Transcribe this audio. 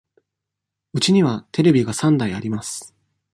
うちにはテレビが三台あります。